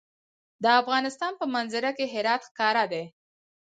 د افغانستان په منظره کې هرات ښکاره دی.